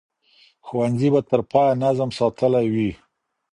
ښوونځي به تر پایه نظم ساتلی وي.